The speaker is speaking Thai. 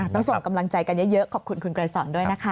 ต้องส่งกำลังใจกันเยอะขอบคุณคุณไกรสอนด้วยนะคะ